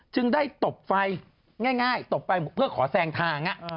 จึงได้ตบไฟง่ายตบไปเพื่อขอแซงทาง